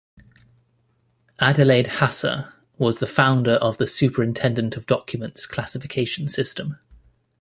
Adelaide Hasse was the founder of the Superintendent of Documents classification system.